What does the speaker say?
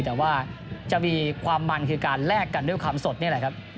แต่ว่าจะมีความมันคือการแลกกันด้วยความสดนี่แหละครับ